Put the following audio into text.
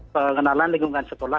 pengenalan lingkungan sekolah